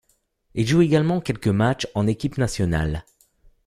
Il joue également quelques matches en équipe nationale.